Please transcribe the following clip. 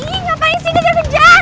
ih gak paling singkat aja kejar